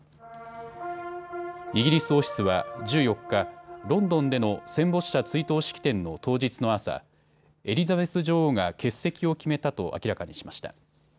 イギリス王室は１４日、ロンドンでの戦没者追悼式典の当日の朝、エリザベス女王が欠席を決めたと明らかにしました。